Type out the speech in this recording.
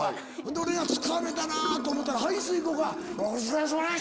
俺が疲れたなぁと思ったら排水口が。